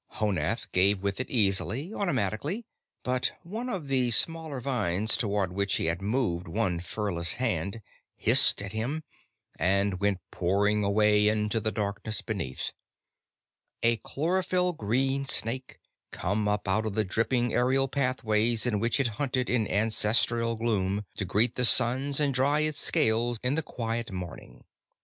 Honath gave with it easily, automatically, but one of the smaller vines toward which he had moved one furless hand hissed at him and went pouring away into the darkness beneath a chlorophyll green snake, come up out of the dripping aerial pathways in which it hunted in ancestral gloom, to greet the suns and dry its scales in the quiet morning.